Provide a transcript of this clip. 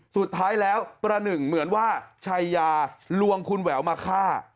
สุดท้ายแล้วประหนึ่งเหมือนว่าชัยยาลวงคุณแหววมาฆ่า